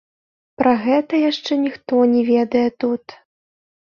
Пра гэта яшчэ ніхто не ведае тут.